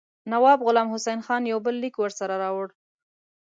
نواب غلام حسین خان یو بل لیک ورسره راوړ.